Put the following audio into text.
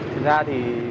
thực ra thì